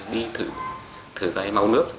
đi thử máu nước